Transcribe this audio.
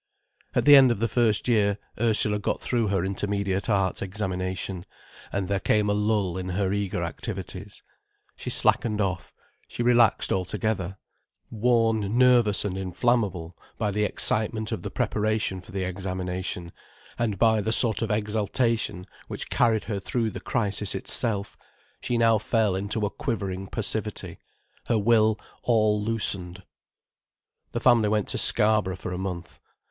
At the end of the first year Ursula got through her Intermediate Arts examination, and there came a lull in her eager activities. She slackened off, she relaxed altogether. Worn nervous and inflammable by the excitement of the preparation for the examination, and by the sort of exaltation which carried her through the crisis itself, she now fell into a quivering passivity, her will all loosened. The family went to Scarborough for a month.